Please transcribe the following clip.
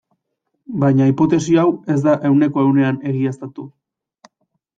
Baina hipotesi hau ez da ehuneko ehunean egiaztatu.